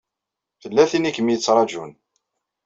Tella tin i kem-yettṛajun.